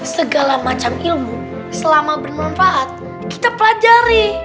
segala macam ilmu selama bermanfaat kita pelajari